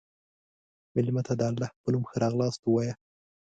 مېلمه ته د الله په نوم ښه راغلاست ووایه.